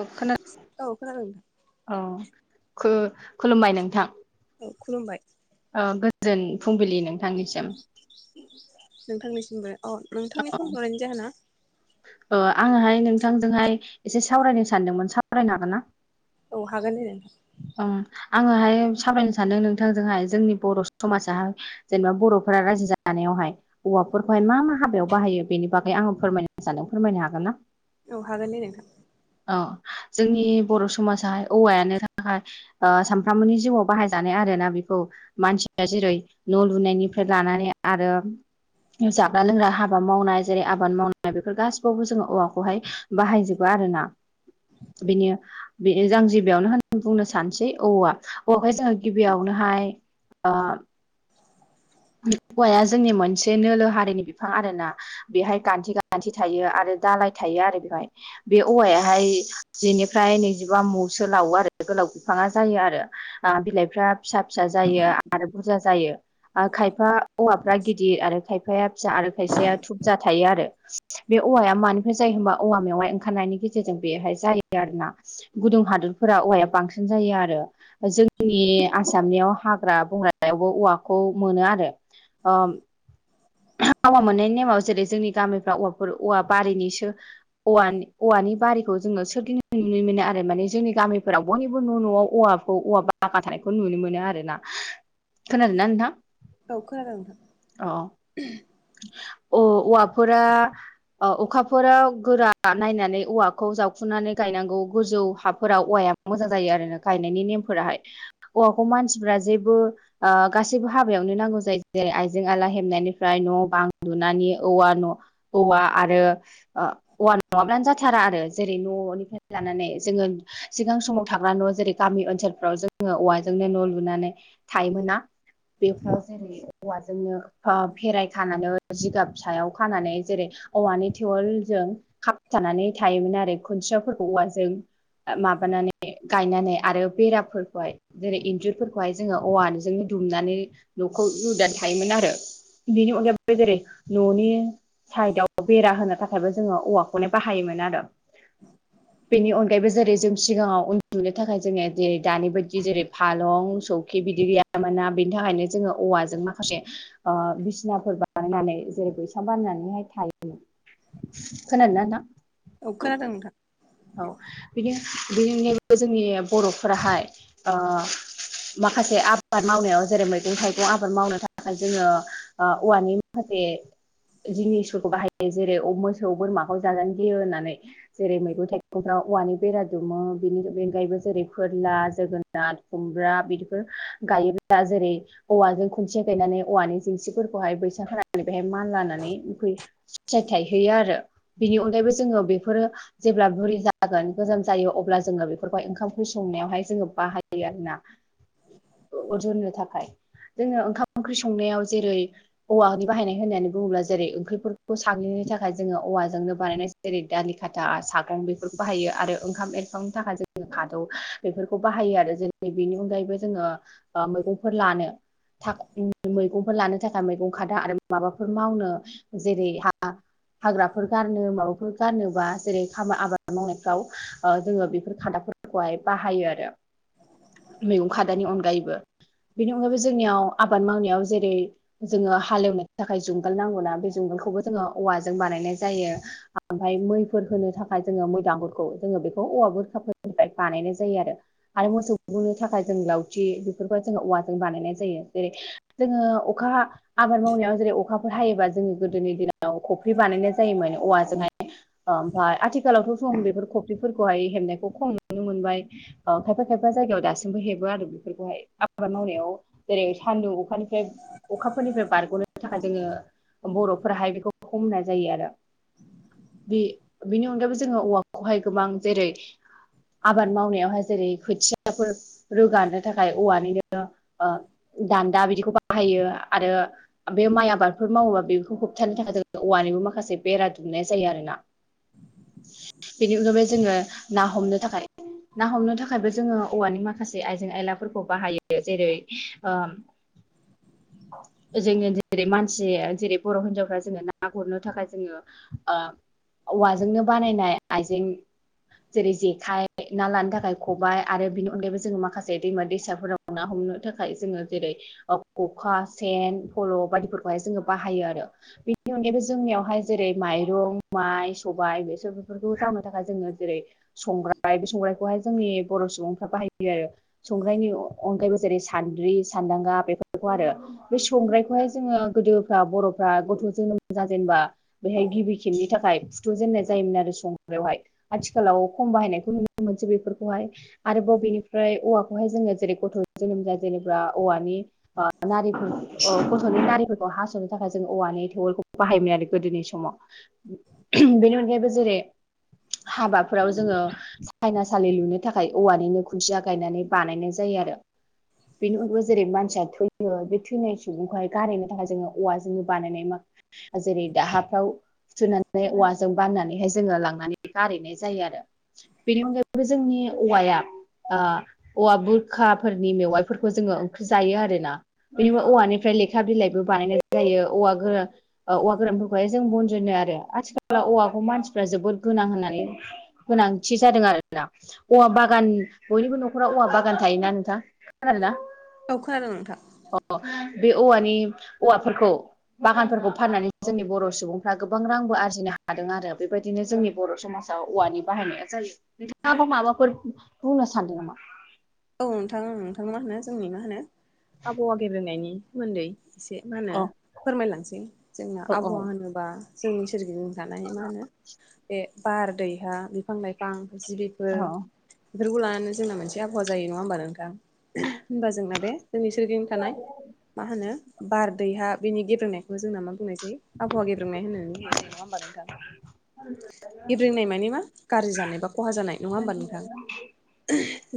औ खोनादों औ खोनादों नोंथां औ खु-खुलुमबाय नोंथां औ खुलुमबाय ओ गोजोन फुंबिलि नोंथांनिसिम नोंथांनिसिमबो अ औ नोंथांनि फन हरनायनि जाहोना आङोहाय नोंथांजोंहाय एसे सावरायनो सानदोंमोन सावरायनो हागोन ना? औ हागोन दे नोंथां। आङोहाय सावरायनो सानदों नोंथांजोंहाय जोंनि बर' समाजाहाय जेनेबा बर'फोरा रायजो जानायावहाय औवाफोरखौहाय मा मा हाबायाव बाहायो बेनि बागै आङो फोरमायनो सानदों फोरमायनो हागोन ना? औ हागोन दे नोंथां। औ जोंनि बर' समाजाहाय औवायानो ओमफाय सानफ्रोमबोनि जिउआव बाहायजानाय आरोना बेखौ मानसिफ्रा जेरै न' लुनायनिफ्राय लानानै आरो जाग्रा लोंग्रा हाबा मावनाय जेरै आबाद मावनाय बेफोर गासिबावबो जोङो औवाखौहाय बाहायजोबो आरोना बिनि जों गिबियावनो होन बुंनो सानसै औवा औवाखौहाय जोङो गिबियावनोहाय ओ औवाया जोंनि मोनसे नोलो हारिनि बिफां आरो ना बेहाय गान्थि गान्थि थायो आरो दालाय थायो आरो बेवहाय बे औवायाहाय जिनिफ्राय नैजिबा मुसो लावो आरो गोलाव बिफाङा जायो आरो बिलाइफ्रा फिसा फिसा जायो आरो बुरजा जायो। खायफा औवाफ्रा गिदिर आरो खायफाया फिसा आरो खायफाया थुबजा थायो आरो बे औवाया मानिफ्राय जायो होमबा औवा मेवाय ओंखारनायनि गेजेरजों बेहाय जायो आरोना गुदुं हादरफोरा औवाया बांसिन जायो आरो जोंनि आसामनियाव हाग्रा बंग्रायावबो औवाखौ मोनो आरो [unintelligible] [inaudible] औवा मोननायनि नेमाव जेरै जोंनि गामिफ्रा औवाफोर औवा बारिनिसो औवानि औवानि बारिखौ जोङो सोरदिंनो नुनो मोनो आरो माने जोंनि गामिफोराव बयनिबो न' न'आव औवा औवा बाबा थानायखौ नुनो मोनो आरोना खोनादों ना नोंथां औ खोनादों नोंथां अ अ औवाफोरा ओ अखाफोराव गोरा नायनानै औवाखौ जावखुनानै गायनांगौ गोजौ हाफोराव औवाया मोजां जायो आरोना गायनायनि नेमफोराहाय हौवाखौ मानसिफोरा जेबो ओ गासैबो हाबायावनो नांगौ जायो जेरै आइजें आला हेबनायनिफ्राय न' बां लुनानै औवा न' औवा आरो ओ औवा नङाब्लानो जाथारा आरो जेरै न'निफ्राय लानानै जोङो सिगां समाव थाग्रा न' जेरै गामि ओनसोलफ्राव जोङो औवाजोंनो न' लुनानै थायोमोना? बेफोराव जेरै औवाजोंनो ओ फेराय खानानै जिगाब सायाव खानानै जेरै औवानि थेवेलजों खाबथानानै थायोमोन आरो खुन्थियाफोरखौ औवाजों माबानानै गायनानै आरो बेराफोरखौहाय जेरै इन्जुरफोरखौहाय जोङो औवानिजोंनो दुमनानै न'खौ मुदा थायोमोन आरो। बेनि अनगायबो जेरै न'नि साइदआव बेरा होनो था खायबो जोङो औवाखौनो बाहायोमोन आरो बेनि अनगायैबो जेरै जों सिगाङाव उन्दुनो थाखाय जोङो जेरै दानि बायदि जेरै फालं सौखि बिदि गैया मोनना बेनि थाखायनो जोङो औवाजों माखासे ओ बिस नाफोर बानायनानै जेरै बैसां बानायनानैहाय थायोमोन खोनादो ना नोंथां? औ खोनादों नोंथां। औ बिदिनो बेनि अनगायैबो जोंनि बर'फोराहाय ओ माखासे आबाद मावनायाव जेरै मैगं थाइगं आबाद मावनो थाखाय जोङो ओ औवानि माखासे जिनिसफोरखौ बाहायो जेरै मोसौ बोरमाखौ जाजानो गियो होननानै। जेरै मैगं थाइगंफ्राव औवानि बेरा दुमो बिनि बेनगायैबो जेरै फोरला जोगो नार खुमब्रा बिदिफोर गायोब्ला जेरै औवाजों खुन्थिया गायनानै औवानि जिंसिफोरखौहाय बैसां होनानानै बेहाय मान लानानै फिथाइ थाइहोयो आरो बिनि अनगायैबो जोङो बेफोरो जेब्ला बुरि जागोन गोजाम जायो अब्ला जोङो बेफोरखौ ओंखाम ओंख्रि संनायावहाय जोङो बाहायो आरोना। अर जरायनो थाखाय जोङो ओंखाम ओंख्रि संनायाव जेरै औवानि बाहायनाय होननानै बुङोब्ला जेरै ओंख्रिफोरखौ साग्लिनायनि थाखाय जोङो औवाजोंनो बानायनाय जेरै दालि खाथा सागं बेफोरखौ बाहायो आरो ओंखाम एरखांनो थाखाय जोङो खादौ बेफोरखौ बाहायो आरो जेरै बेनि अनगायैबो जोङो ओ मैगंफोर लानो था मैगंफोर लानो थाखा य मैगं खादा आरो माबाफोर मावनो जेरै हा हाग्राफोर गारनो माबाफोर गारनोबा जेरै खाम आबाद मावनायफ्राव ओ जोङो बेफोर खादाफोरखौहाय बाहायो आरो। [inaudible] मैगं खादानि अनगायैबो बेनि अनगायैबो जोंनियाव आबाद मावनायाव जेरै जोङो हाल एवनो थाखाय जुंगाल नांगौना बे जुंगालखौबो जोङो औवाजों बानायनाय जायो। ओमफ्राय मैफोर होनो थाखाय जोङो मैदांगुरखौ जोङो बेखौ औवा बुरखाफोरनिफ्राय बानायनाय जायो आरो। आरो मोसौखौ बुनो थाखाय जों लावथि बेफोरखौहाय जोंङो औवाजों बानायनाय जायो जेरै जोङो अखा आबाद मावनायाव जेरै अखाफोर हायोबा जोंनि गोदोनि दिनाव खफ्रि बानायनाय जायोमोन औवाजोंहाय। ओमफ्राय आथिखालावथ' जों बेफोर खफ्रिफोरखौहाय हेबनायखौ खम नुनो मोनबाय। ओ खायफा खायफा जायगायाव दासिमबो हेबो आरो बेफोरखौहाय आबाद मावनायाव जेरै सान्दुं अखानिफ्राय अखाफोरनिफ्राय बारग'नो थाखाय जोङो बर'फोराहाय बेखौ हमनाय जायो आरो। बे बेनि अनगायैबो जोङो औवाखौहाय गोबां जेरै आबाद मावनायावहाय जेरै खोथियाफोर रोगानो थाखाय औवानिनो ओ दान्दा बिदिखौ बाहायो आरो बे माइ आबादफोर मावोबा बेफोरखौ होबथानो थाखाय जों औवानिबो माखासे बेरा दुमनाय जायो आरोना। बेनि अनगायैबो जोङो ना हमनो थाखाय ना हमनो थाखायबो जोङो औवानि माखासे आइजें आयलाफोरखौ बाहायो जेरै ओम [inaudible] जोङो जेरै मानसि जेरै बर' हिनजावफ्रा जोङो ना गुरनो थाखाय जोङो ओ औवाजोंनो बानायनाय आइजें जेरै जेखाइ ना लानो थाखाय खबाइ आरो बिनि अनगायैबो जोङो माखासे दैमा दैसाफोराव ना हमनो थाखाय जोङो जेरै ख खखा सेन पल' बायदिफोरखौहाय जोङो बाहायो आरो बेनि अनगायैबो जोंनियावहाय जेरै माइरं माइ सबाय बेसर बेफोरखौ जावनो थाखाय जोङो जेरै संग्राय बे संग्रायखौहाय जोंनि बर' सुबुंफ्रा बाहायो आरो संग्रनायनि अनगायैबो जेरै सान्द्रि सान्दांगा बेफोर खौ आरो बे संग्रायखौहाय जोङो गोदोफ्रा बर'फ्रा गथ' जोनोम जाजेनेबा बेहाय गिबि खेबनि थाखाय फुथ' जेननाय जायोमोन आरो संग्रायावहाय आथिखालाव खम बाहायनायखौ नुनो मोनसै बेफोरखौहाय आरोबाव बेनिफ्राय औवाखौहाय जोङो जेरै गथ' जोनोम जाजेनोबा औवानि ओ नारि ओ गथ'नि नारिफोरखौ हास'नो थाखाय जों औवानि थेवलखौ बाहायोमोन आरो गोदोनि समाव बेनि अनगायैबो जेरै हाबाफोराव जोङो सायनासालि लुनो थाखाय औवानिनो खुनथिया गायनानै बानायनाय जायो आरो बेनि उनावबो जेरै मानसिया थै यो बे थैनाय सुबुंखौहाय गारहैनो थाखाय जोङो औवा जोंनो बानायनाय माखासे जेरै दाहाफ्राव सोनानै औवाजों बाननानैहाय जोङो लांनानै गारहैनाय जायो आरो बेनि अनगायैबो जोंनि औवाया ओ औवा बुरखाफोरनि मेवाइफोरखौ जोङो ओंख्रि जायो आरोना बे औवानिफ्राय लेखा बिलाइबो बानायनाय जायो औवा गोरा औवा गोरानफोरखौहाय जों बनजनो आरो आथिखालाव औवाखौ मानसिफ्रा जोबोद गोनां होननानै गोनांथि जादों आरोना औवा बागान बयनिबो न'खराव औवा बागान थायोना नोंथां खोनादोंना औ खोनादों नोंथां अ बे औवानि औवाफोरखौ बागानफोरखौ फाननानै जोंनि बर' सुबुंफ्रा गोबां रांबो आरजिनो हादों आरो बेबायदि बिदिनो जोंनि बर' समाजाव औवानि बाहायनाया जायो नोंथाङाबो माबाफोर बुंनो सानदों नामा औ नोंथां ओं नोंथां मा होनो जोंनि मा होनो आबहावा गेब्रेंनायनि सोमोन्दै एसे मा होनो औ फोरमायलांसै जोंना औ औ आबहावा होनोबा जोंनि सोरगिदिं लानानै मा होनो बे बार दै हा बिफां लाइफां जिबिफोर औ बेफोरखौ लानानै जोंना मोनसे आबहावा जायो नङा होमबा नोंथां होनबा जोंना बे जोंनि सोरगिंदिं थानाय मा होनो बार दै हा बिनि गेब्रेंनाय बेखौ जोंना मा बुंनाय जायो आबहावा गेब्रेंनाय होननानै बुंनाय जायो नङा होमबा नोंथां गेब्रेंंनाय माने मा गाज्रि जानाय बा खहा जानाय नङा होमबा नोंथां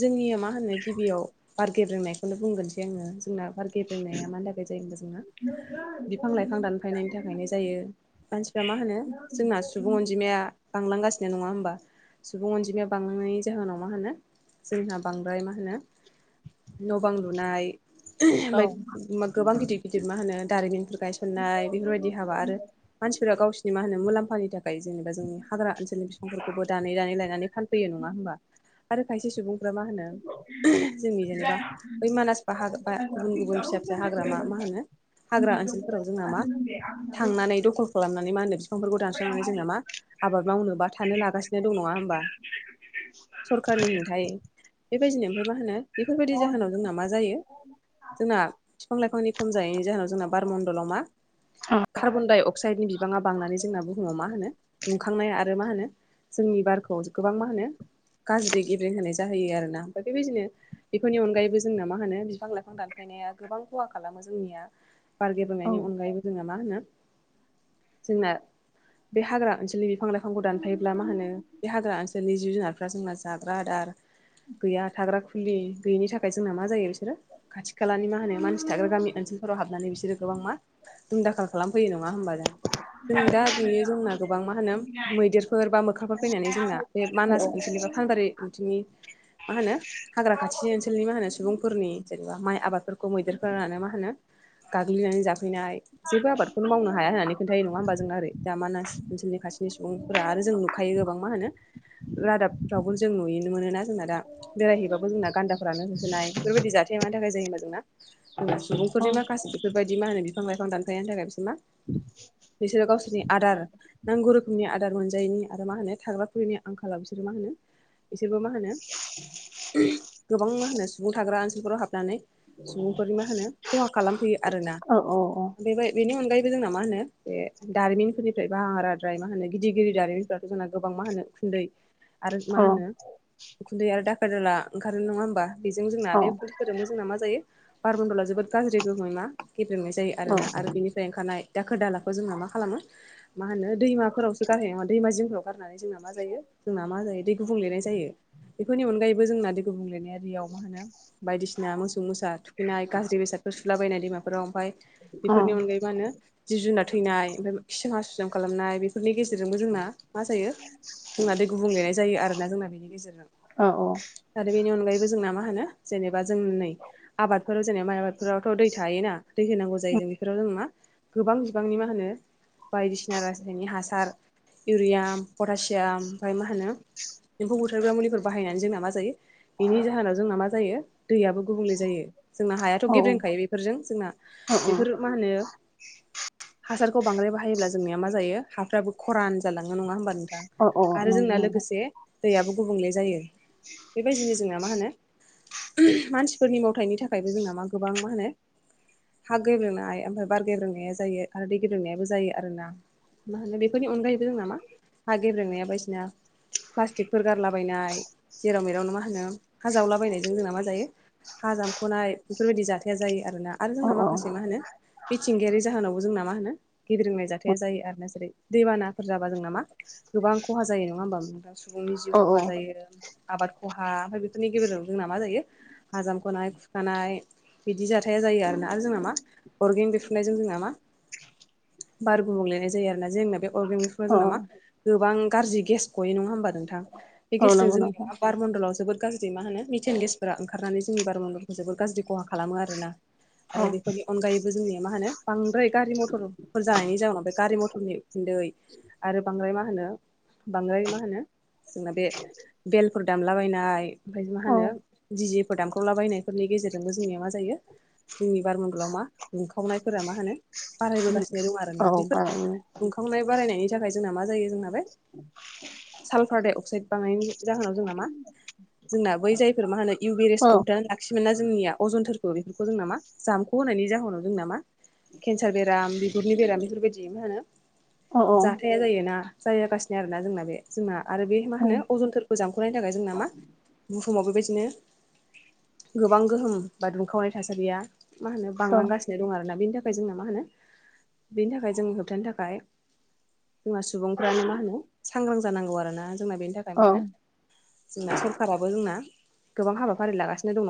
जोंनिया मा होनो गिबियाव बार गेब्रेंनायखौनो बुंगोनसै आङो जोंना बार गेब्रेंनाया मानि थाखाय जायो होनबा जोंहा बिफां लाइफां दानफायनायनि थाखायनो जायो मानसिफ्रा मा होनो जोंना सुबुं अनजिमाया बांलांगासिनो नङा होमबा सुबुं अनजिमाया बांलांनायनि जाहोनाव मा होनो जोंहा बांद्राय मा होनो न' बां लुनाय औ ओमफ्राय गोबां गिदिर गिदिर मा होनो दारिमिनफोर गायसननाय बेफोरबायदि हाबा आरो मानसिफोरा गावसिनि मा होनो मुलाम्फानि थाखाय ओमफ्राय जेनेबा जोंनि हाग्रा ओनसोलनि बिफांफोरखौबो दानै दानै लायनानै फानफैयो नङा होनबा खायसे सुबुंफ्रा मा होनो जोंनि जेनेबा बै मानास बाहाग बा गुबुन गुबुन फिसा हाग्रामा मा होनो हाग्रा ओनसोलफोराव जोंहा मा थांनानै दख'ल खालामनानै मा होनो बिफांफोरखौ दानस्रांनानै जोंना मा आबाद मावनो बा थानो लागासिनो दं नङा होमबा सरखारनि हेंथायै बेबायदिनो ओमफ्राय मा होनो बेफोरबायदि जाहोनाव जोंना मा जायो जोंना बिफां लाइफांनि खम जानायनि जाहोनाव जोंना बारमणडलाव मा कार्बन डाइ अक्साइडनि बिबाङा बांनानै जोंना बुहुमाव मा होनो दुंखांनाय आरो मा होनो जोंनि बारखौ गोबां मा होनो गाज्रि गेब्रें होनाय जाहैयो आरोना ओमफ्राय बेबादिनो बेफोरनि अनगायैबो जोंना मा होनो बिफां-लाइफां दानफायनाया गोबां खहा खालामो जोंनिया औ बारगबोनायनायनि अनगायैबो जोङो मा होनो जोंना बे हाग्रा ओनसोलनि बिफां लाइफांखौ दानफायोब्ला मा होनो बे हाग्रा ओनसोलनि जिब-जुनार जोंना जाग्रा आदार गैया थाग्रा खुलि गैयिनि थाखाय जोंना मा जायो। बिसोरो खाथि खालानि मा होनो मानसि थाग्रा गामि ओनसोलफोराव हाबनानै बिसोरो गोबां मा? दुमदाखाल खालामफैयो नङा होनोमबा जों जों दा नुयो जोंना गोबां मा होनो मैदेरफोर बा मोख्राफोर फैनानै जोंना बे औ मानास ओनसोलनि बा मा होनो हाग्रा खाथि ओनसोलनि मा होनो सुबुंफोरनि जेनेबा माइ आबादफोरखौ मैदेरफोरानो मा होनो गाग्लिनानै जाफैनाय जेबो आबादखौनो मावनो हाया होननानै खोन्थायो नङा होमबा जों ओर दा मानास ओनसोलनि खासेनि सुबुं फोरा आरो जों नुखायो गोबां मा होनो। रादाबफ्रावबो जों नुयोननो मोनोना जोंना दा बेरायहैबाबो जोंना गान्दाफ्रानो होसोनाय बेफोरबादि जाथाय मानि थाखाय जायो होनबा जोंना जबा सुबुंफोरनि माखासे बेफोरबायदि मा होनो बिफां- लाइफां दानखायनायनि थाखाय बिसोर मा? [unintelligible] बिसोरो गावसोरनि आदार नांगौ रोखोमनि आदार मोनजायैनि आरो मा होनो थाग्राफिनि आंखाल खाालाव बिसोरो मा होनो बिसोरबो मा होनो गोबां मा होनो सुबुं थाग्रा ओनसोलफोराव हाबनानै सुबुंफोरनि मा होनो खहा खालामफैयो आरोना औ बेबो बेनि अनगायैबो जोंना मा होनो बे दारिमिनफोरनिफ्राय बाराद्राय मा होनो गिदिर गिदिर दारिमिनफोरा जोंना गोबां मा होनो उखुन्दै आरो मा औ होनो उखुन्दै आरो दाखोर दाला ओंखारो नङा होमबा बेजों जोंना बे फोरजोंबो जोंना मा जायो बारमन दला जोबोद गाज्रि गोहोमै मा गेदेेंनाय जायो आरोना आरो बिनि फ्राय ओंखारनाय दाखोर दालाखौ जोंना मा खालामो मा होनो दैमाफोरावस गारायोङा दैमा जिंफोराव गारनानै जोंना मा जायो जोंना मा जायो दै गुबुं लेनाय जायो। बेफोरनि अनगायैबो जोंना दै गुबुंलेनाया मा होनो बायदिसिना सिना मोसौ मोसा थुखैनाय गाज्रि बेसादफोर सुलाबायनाय दैमाफोराव ओमफफ्राय बेफोरनि अनगायै मा होनो? जिब जुनार थैनाय ओमफ्राय खिसोम हासुसोम खालामनाय बेफोरनि गेजेरजोंबो जोंना मा जायो? जोंना दै गुबुंलेनाय जायो आरोना जोंना बेनि गेजेरजों औ आरो बेनि अनगायैबो जोंना मा होन जेनेबा जों नै आबादफोराव जेनेबा माइ आबादफोरावथ' दै थायोना दै होनांगौ जायो जों बेफोराव जों मा गोबां बिबांनि मा होनो बायदिसिना रासायनिक हासार इउरियाम, पटासियाम ओमफ्राय मा होनो एम्फौ बुथारग्रा मुलिफोर बाहायनानै जोंना मा जायो बेनि जाहोनाव जोंना मा जायो दैयाबो गुबुंले जायो जोंना हायाथ' गेब्रेेंखायो बेफोरजों जोंना बेफोर मा होनो बैफोर हासारखौ बांद्राय बाहायोब्ला जोंनिया मा जायो हाफ्राबो खरान जालाङो नङा होमबा नोंथां? आरो जोंना नंगौ लोगोसे दैयाबो गुबुंले जायो बेबायदिनो जोंना मा होनो मानसिफोरनि मावथायनि थाखायबो जोंना मा गोबां मा होनो हा गेब्रेंनाय ओमफ्राय बारगेब्रेंनाया जायो आरो दै गेब्रेंनायाबो जायो आरो ना। मा होनो बेफोरनि अनगायैबो जों ना मा हा गेब्रोंनाया बायदिसिना प्लास्टिकफोर गारलाबायनाय जेराव मेरावनो मा होनो हा जावलाबायनायजों जोंना मा जायो हा जामख'नाय बेफोरबायदि जाथाया जायो आरो ना। आरो औ जोंना माखासे मा होनो मिथिंगायारि जाहोनावबो जोंना मा होनो गिदििरंनाय जाथाया जायो आरोना जेरै दैबानाफोर जाबा जों नामा गोबां खहा जायो नङा होमबाां सुबुंनि जिउ औ खहा जायो। आबाद खहा ओमफ्राय बेफोरनि गेजेरजों जोंना मा जायो हाजामखनाय खुरखानाय बिदि जादों। जाथाया जायो आरोना आरो जोंना मा अरगें बेफ्रुनायजों जोंना मा बार गुबुंलेनाय जायो आरोना जोंना बे अरगें बेरफ्रुनाय समाव औ जोंना मा गोबां गाज्रि गेस गयो नङा होनबा नोंथां बे औ गेसजों नंगौ जोंनि नोंथां मा बारमनदलाव जोबोर गाज्रि जे मा होनो मिटेन गेसफोरा ओंखारनानै जोंनि बारमनदलफोरखौ जोबोर गाज्रि खहा खालामो आरोना औ आरो बेफोरनि अनगायैबो जोंनिया मा होनो बांद्राय गारि मथरफोर जानायनि जाउनाव बे गारि मथरनि उखुन्दै आरो बांद्राय मा होनो बांद्राय मा होनो जोंना बे बेलफोर दामलाबायनाय ओमफ्राय मा औ होनो दिजेफोर दानख्रावलाबायनायफोरनि गेजेरजोंबो जोंनिया मा जायो। जोंनि बारमनदलाव मा दुंखावनायफोरा मा होनो औ बारायबोगासिनो दं औ आरोना बेफोर दुंखावनाय बारायनायनि थाखाय जोंना मा जायो जोंना बे [unintelligible] साल्फार डाइ अक्साइड बांनायनि जाहोनाव जोंना मा जोंना बै जायफोर मा होनो औ इउभेरेसखौ लाखियोमोन ना जोंनिया अजनथोरफो बेफोरखौ जों नामा जाम्खखौ होनायनि जाहोनाव जों नामा केन्सार बेराम बिगुरनि बेराम बेफोरबायदि मा होनो जाहाथे जाया जायोना जायागासिनो आरोना जोंना बे जोंना आरो बे मा होनो अजनफोरखौ जामख'नायनि थाखाय जोंना मा बुहुमाव बेबायदिनो गोबां गोहोम बा दुंखावनाय थासारिया मा होनो बांलांगासिनो दं आरोना बेनि थाखाय जों मा होनो बिनि थाखाय जों होबथानो थाखाय जोंहा सुबुंफ्रानो मा होनो सांग्रां जानांगौ आरोना जोंना बेनि थाखाय औ मा औ होनो जोंना सरखाराबो जोंना गोबां हाबाफारि लागासिनो दङ।